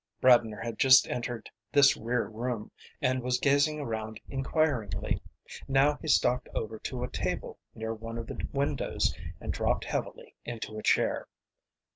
Bradner had just entered this rear room, and was gazing around inquiringly. Now he stalked over to a table near one of the windows, and dropped heavily into a chair.